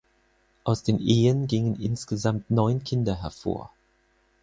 Aus den Ehen gingen insgesamt neun Kinder hervor.